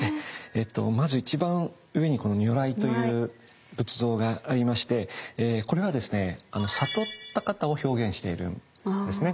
まず一番上に如来という仏像がありましてこれはですね悟った方を表現しているんですね。